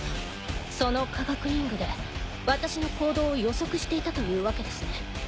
その科学忍具で私の行動を予測していたというわけですね。